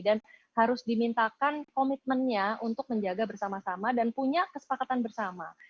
harus dimintakan komitmennya untuk menjaga bersama sama dan punya kesepakatan bersama